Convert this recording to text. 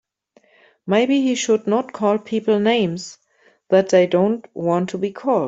Maybe he should not call people names that they don't want to be called.